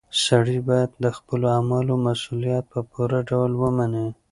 سړی باید د خپلو اعمالو مسؤلیت په پوره ډول ومني.